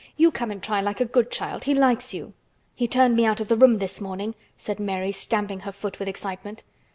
You come and try, like a good child. He likes you." "He turned me out of the room this morning," said Mary, stamping her foot with excitement.